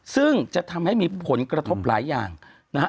ซึ่งจะทำให้มีผลกระทบหลายอย่างนะฮะ